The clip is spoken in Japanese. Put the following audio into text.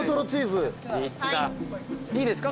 いいですか？